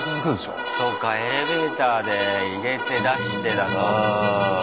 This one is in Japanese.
そうかエレベーターで入れて出してだと。